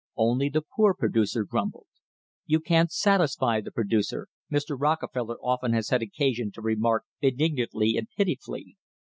Only the "poor producer" grumbled. "You can't satisfy the producer," Mr. Rockefeller often has had occasion to remark benignantly and pitifully.